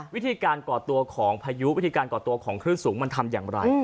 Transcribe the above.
วิธีการก่อตัวของพายุวิธีการก่อตัวของคลื่นสูงมันทำอย่างไร